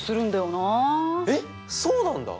えっそうなんだ！